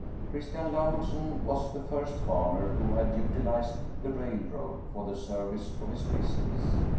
Christian Lahusen was the first farmer who had utilized the railroad for the service of his business.